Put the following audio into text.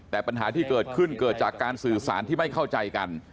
แต่ปัญหาที่เกิดขึ้นเกิดจากการสื่อสารที่ไม่เข้าใจกัน